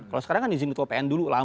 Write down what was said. kalau sekarang kan izin ketua pn dulu lah